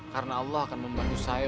karena allah akan membantu saya